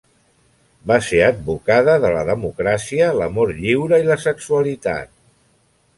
Va ser advocada de la democràcia i l'amor lliure i la sexualitat.